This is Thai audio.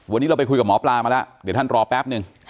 วันนี้เราไปคุยกับหมอปลามาแล้วเดี๋ยวท่านรอแป๊บนึง